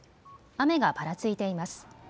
雨がぱらついています。